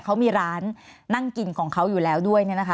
เขามีร้านนั่งกินของเขาอยู่แล้วด้วย